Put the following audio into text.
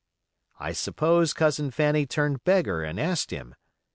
I suppose Cousin Fanny turned beggar, and asked him.